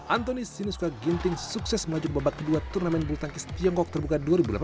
antoni sinisuka ginting sukses melaju ke babak kedua turnamen bulu tangkis tiongkok terbuka dua ribu delapan belas